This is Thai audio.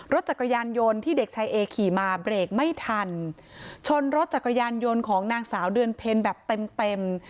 รถจักรยานยนต์ที่เด็กชายเอขี่มาเบรกไม่ทันชนรถจักรยานยนต์ของนางสาวเดือนเพ็ญแบบเต็มเต็ม